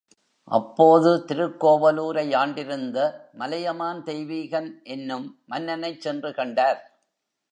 அப்போது திருக்கோவலூரை யாண்டிருந்த மலையமான் தெய்வீகன் என்னும் மன்னனைச் சென்று கண்டார்.